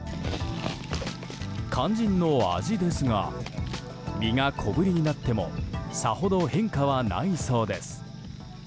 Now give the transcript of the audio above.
肝心の味ですが実が小ぶりになってもさほど変化はないそうです。